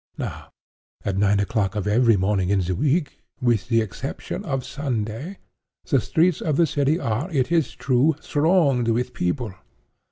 Now at nine o'clock of every morning in the week, with the exception of Sunday, the streets of the city are, it is true, thronged with people.